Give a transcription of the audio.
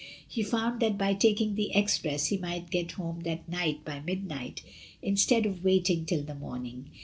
He found that by taking the express he might get home that night by midnight instead of waiting till the morning.